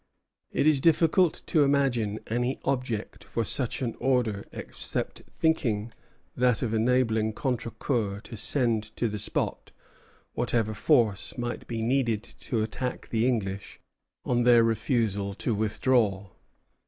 It is difficult to imagine any object for such an order except that of enabling Contrecœur to send to the spot whatever force might be needed to attack the English on their refusal to withdraw.